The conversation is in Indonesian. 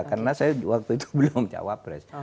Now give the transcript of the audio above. karena saya waktu itu belum capres